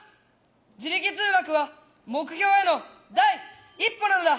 自力通学は目標への第一歩なのだ。